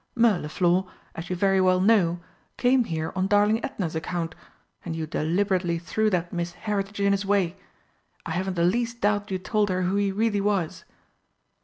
Mirliflor, as you very well know, came here on darling Edna's account, and you deliberately threw that Miss Heritage in his way I haven't the least doubt you told her who he really was!"